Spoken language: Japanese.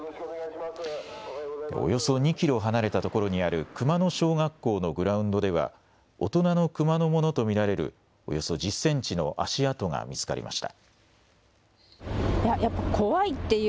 およそ２キロ離れた所にある熊野小学校のグラウンドでは、大人のクマのものと見られる、およそ１０センチの足跡が見つかりました。